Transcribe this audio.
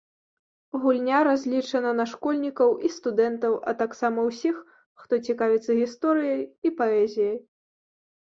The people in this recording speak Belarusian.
Гульня разлічана на школьнікаў і студэнтаў, а таксама ўсіх, хто цікавіцца гісторыяй і паэзіяй.